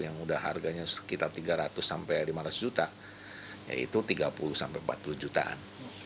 yang udah harganya sekitar tiga ratus lima ratus juta ya itu tiga puluh empat puluh jutaan